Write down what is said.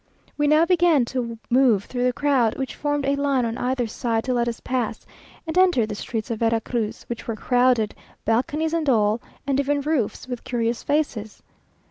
We now began to move through the crowd, which formed a line on either side to let us pass, and entered the streets of Vera Cruz, which were crowded, balconies and all, and even roofs with curious faces.